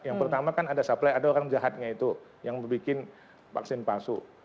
yang pertama kan ada supply ada orang jahatnya itu yang membuat vaksin palsu